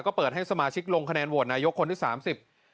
ก็เปิดให้สมาชิกลงคะแนนโหวตนายกคนที่สามสิบ